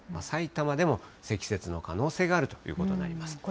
埼玉でも積雪の可能性があるということになります。